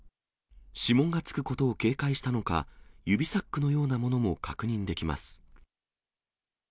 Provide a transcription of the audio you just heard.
指紋がつくことを警戒したのか、指サックのようなものも確認できます。